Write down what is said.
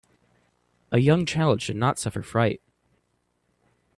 A young child should not suffer fright.